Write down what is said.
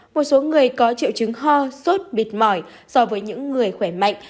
một số người có triệu chứng ho sốt mịt mỏi so với những người khỏe mạnh